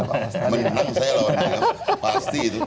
menang saya lawannya pasti itu